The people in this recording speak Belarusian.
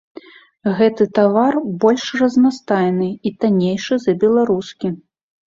Гэты тавар больш разнастайны і таннейшы за беларускі.